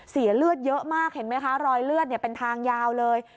เสียเลือดเยอะมากเห็นไหมคะรอยเลือดเป็นทางยาวเลย